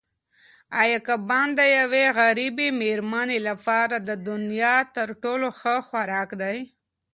ایا کباب د یوې غریبې مېرمنې لپاره د دنیا تر ټولو ښه خوراک دی؟